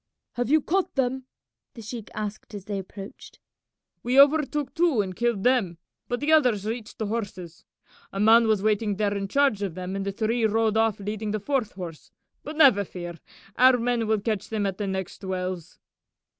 "Have you caught them?" the sheik asked as they approached. "We overtook two and killed them, but the others reached the horses. A man was waiting there in charge of them, and the three rode off leading the fourth horse; but never fear, our men will catch them at the next wells."